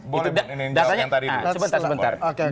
boleh pak jokowi menjelaskan tadi dulu